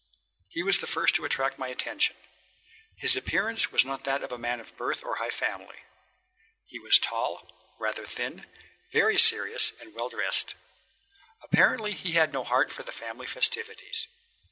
He was the first to attract my attention. His appearance was not that of a man of birth or high family. He was tall, rather thin, very serious, and well dressed. Apparently he had no heart for the family festivities.